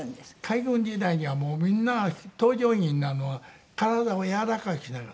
海軍時代にはもうみんな搭乗員になるのは体をやわらかくしなきゃ。